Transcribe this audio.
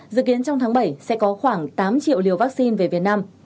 dự kiến trong tháng bảy sẽ có khoảng tám triệu liều vaccine về việt nam